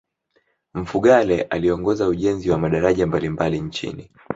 mfugale aliongoza ujenzi wa madaraja mbalimbali nchini